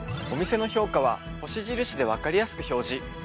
お店の評価は星印で分かりやすく表示。